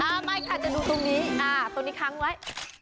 ไม่ค่ะจะดูตรงนี้ตรงนี้ค้างไว้